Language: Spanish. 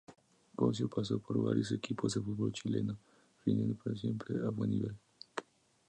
Cossio pasó por varios equipos del fútbol chileno, rindiendo siempre a buen nivel.